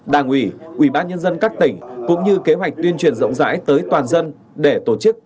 đảng ủy ubnd các tỉnh cũng như kế hoạch tuyên truyền rộng rãi tới toàn dân để tổ chức